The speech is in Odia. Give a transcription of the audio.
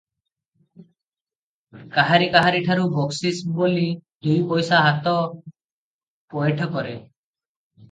କାହାରି କାହାରିଠାରୁ ବକସିସ ବୋଲି ଦୁଇପଇସା ହାତ ପଏଠ କରେ